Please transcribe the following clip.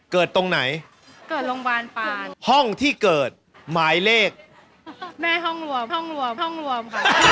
ตรงไหนเกิดโรงพยาบาลปานห้องที่เกิดหมายเลขแม่ห้องรวมห้องรวมห้องรวมค่ะ